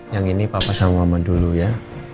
yang ini papa sama mama dulu ya